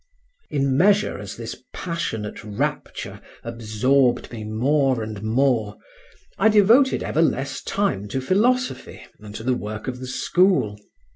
In measure as this passionate rapture absorbed me more and more, I devoted ever less time to philosophy and to the work of the school.